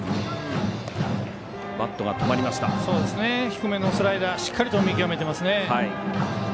低めのスライダーしっかりと見極めてますね。